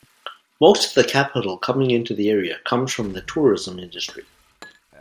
Most of the capital coming into the area comes from the tourism industry.